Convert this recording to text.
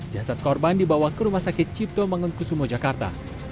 jasad korban dibawa ke rumah sakit cipto mangunkusumo jakarta